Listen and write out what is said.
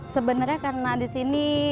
sebenarnya karena disini